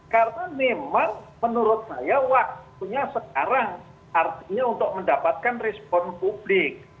karena memang menurut saya waktunya sekarang artinya untuk mendapatkan respon publik